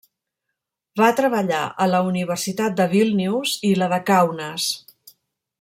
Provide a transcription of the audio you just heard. Va treballar a la Universitat de Vílnius i la de Kaunas.